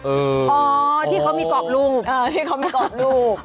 เอออ๋อที่เขามีกรอบรูปเออที่เขามีกรอบรูป